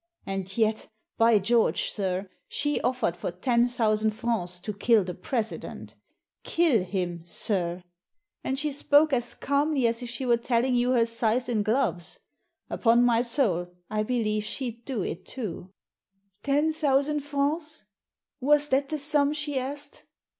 And yet, by Greorge, sir, she offered for ten thousand francs to kill the President — kill him, sir ! And she spoke as calmly as if she were telling you her size in gloves. Upon my soul, I believe she'd do it too 1 " "Ten thousand francs — was that the sum she asked?"